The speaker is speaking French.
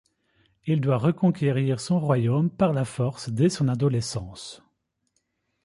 Il doit reconquérir son royaume par la force dès son adolescence.